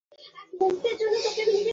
Sir, আমাকে ডেকেছেন।